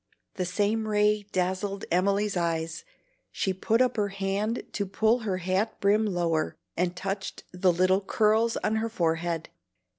The same ray dazzled Emily's eyes; she put up her hand to pull her hat brim lower, and touched the little curls on her forehead.